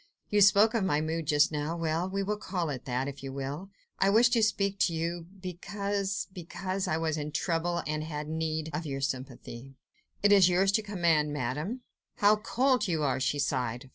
You spoke of my mood just now; well! we will call it that, if you will. I wished to speak to you ... because ... because I was in trouble ... and had need ... of your sympathy." "It is yours to command, Madame." "How cold you are!" she sighed.